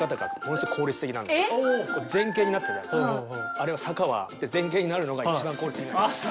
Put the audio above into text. あれは坂は前傾になるのが一番効率的なんですよ。